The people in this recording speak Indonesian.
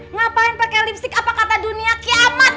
ngapain pakai lipstick apa kata dunia kiamat